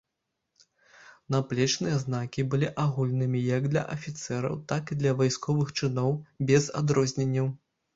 Наплечныя знакі былі агульнымі як для афіцэраў, так і для вайсковых чыноў, без адрозненняў.